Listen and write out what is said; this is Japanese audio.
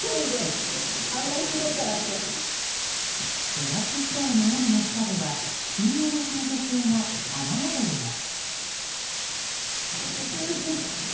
ドラッグストアの屋根の下では信号待ちの女性が雨宿りです。